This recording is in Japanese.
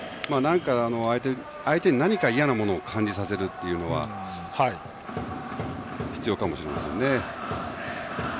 相手に何か嫌なものを感じさせるというのは必要かもしれませんね。